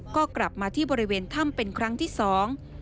ก็กลับมาที่บริเวณถ้ำเป็นครั้งที่สอง